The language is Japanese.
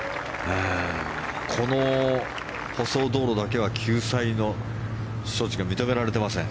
この舗装道路だけは救済の措置が認められていません。